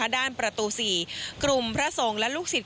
ด้านประตู๔กลุ่มพระสงฆ์และลูกศิษย